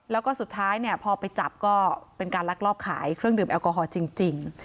แล้วก็สุดท้ายเนี่ยพอไปจับก็เป็นการลักลอบขายเครื่องดื่มแอลกอฮอล์จริง